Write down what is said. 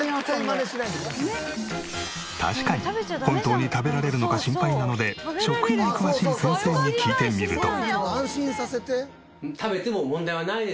確かに本当に食べられるのか心配なので食品に詳しい先生に聞いてみると。